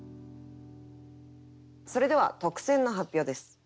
それでは特選の発表です。